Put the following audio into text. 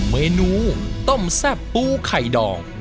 เมนูต้มแซ่บปูไข่ดอง